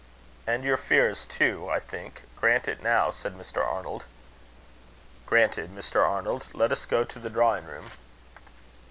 "And your fears too, I think. Grant it now," said Mr. Arnold. "Granted, Mr. Arnold. Let us go to the drawing room."